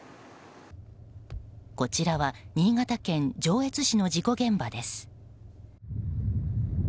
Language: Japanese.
こちらは新潟県上越市の事故現場です。